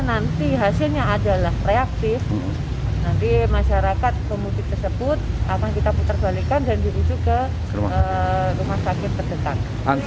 nanti hasilnya adalah reaktif nanti masyarakat pemudik tersebut akan kita putar balikan dan dirujuk ke rumah sakit terdekat